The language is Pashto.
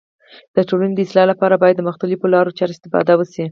د ټولني د اصلاح لپاره باید د مختلیفو لارو چارو استفاده وسي.